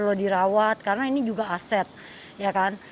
kalau dirawat karena ini juga aset ya kan